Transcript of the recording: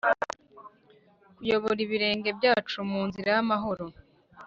kuyobora ibirenge byacu mu nzira y’amahoro.’’